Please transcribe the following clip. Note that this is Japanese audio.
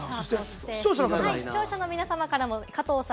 視聴者の皆さまからも加藤さ